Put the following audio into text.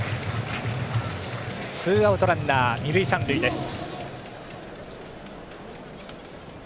ツーアウトランナー、二塁三塁です。